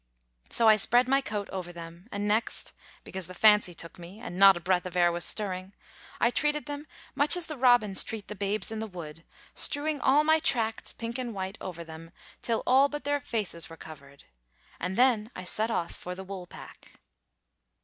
So I spread my coat over them, and next (because the fancy took me, and not a breath of air was stirring) I treated them much as the robins treated the Babes in the Wood, strewing all my Tracts, pink and white, over them, till all but their faces was covered. And then I set off for the "Woolpack."